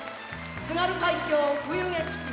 「津軽海峡・冬景色」初出場